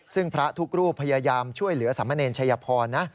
ซึ่งพระทุกรูปพยายามช่วยเหลือสามเณรชัยพรนะ